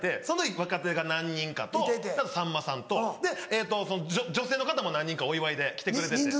その時若手が何人かとあとさんまさんと。で女性の方も何人かお祝いで来てくれてて。